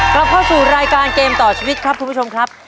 กลับเข้าสู่รายการเกมต่อชีวิตครับคุณผู้ชมครับ